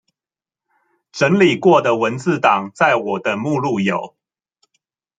整理過的文字檔在我的目錄有